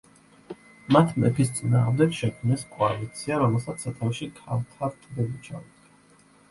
მათ მეფის წინააღმდეგ შექმნეს კოალიცია, რომელსაც სათავეში ქავთარ ტბელი ჩაუდგა.